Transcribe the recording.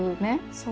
そう。